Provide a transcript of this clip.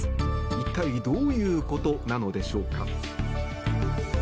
一体どういうことなのでしょうか。